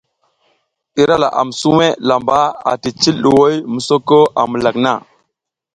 Ira laʼam suwe lamba ati cil ɗuhoy misoko a mukak na.